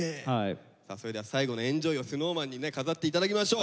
さあそれでは最後のエンジョイをＳｎｏｗＭａｎにね飾って頂きましょう。